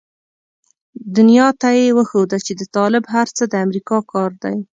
دنيا ته يې وښوده چې د طالب هر څه د امريکا کار دی.